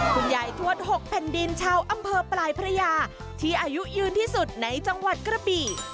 คุณยายทวด๖แผ่นดินชาวอำเภอปลายพระยาที่อายุยืนที่สุดในจังหวัดกระบี่